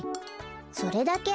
それだけ？